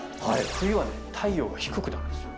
冬は太陽が低くなるんですよ。